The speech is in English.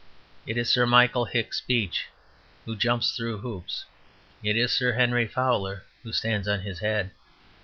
It is Sir Michael Hicks Beach who jumps through hoops. It is Sir Henry Fowler who stands on his head.